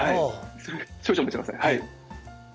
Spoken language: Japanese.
少々お待ちください。